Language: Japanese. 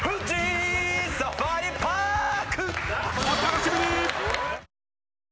お楽しみに！